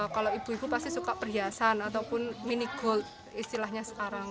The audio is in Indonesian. kalau ibu ibu pasti suka perhiasan ataupun mini gold istilahnya sekarang